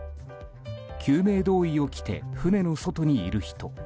救命胴衣を着て船の外にいる人。